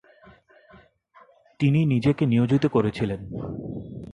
তিনি নিজেকে নিয়োজিত করেছিলেন।